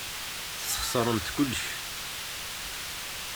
Tesxeṣremt kullec.